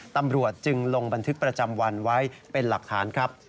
ตำรวจจึงลงบันทึกประจำวันไว้เป็นหลักฐานครับ